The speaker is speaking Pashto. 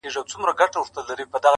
کارخانې پکښی بنا د علم و فن شي،